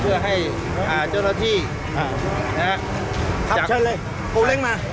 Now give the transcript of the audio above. เพื่อให้อ่าเจ้าละที่อ่านะครับครับเชิญเลยโก้เล่งมา